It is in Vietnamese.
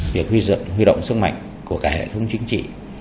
việc huy động sức mạnh của cả hệ thống chính trị